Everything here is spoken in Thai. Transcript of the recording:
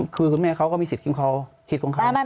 คือคุณแม่เขาก็มีสิทธิ์ของเขาชีวิตของเขา